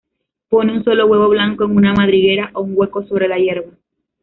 Pone un solo huevo blanco en una madriguera o un hueco sobre la hierba.